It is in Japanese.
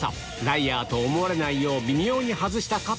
ライアーと思われないよう微妙に外したか？